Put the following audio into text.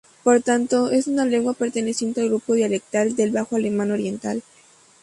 Por tanto, es una lengua perteneciente al grupo dialectal del bajo alemán oriental.